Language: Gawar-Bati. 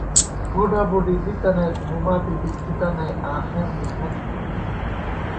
بُڈہ بُڈی دِی تنَئیت ، موما پِپِی تھِتہ نئ آخر مِیَنہ تھنہ